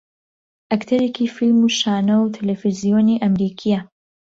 ئەکتەرێکی فیلم و شانۆ و تەلەڤیزیۆنی ئەمریکییە